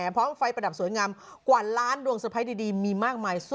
พร้อมไฟประดับสวยงามกว่าล้านดวงเตอร์ไพรส์ดีมีมากมาย